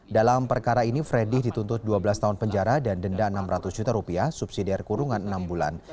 dalam perkara ini freddy dituntut dua belas tahun penjara dan denda rp enam ratus juta rupiah subsidiar kurungan enam bulan